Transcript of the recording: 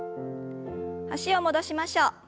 脚を戻しましょう。